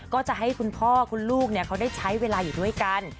ก็จะให้คุณพ่อคุณลูกเขาได้ใช้เวลาอยู่ด้วยกัน